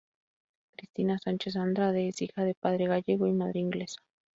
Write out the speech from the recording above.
Cristina Sánchez-Andrade es hija de padre gallego y madre inglesa.